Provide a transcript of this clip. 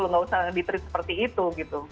nggak usah ditreat seperti itu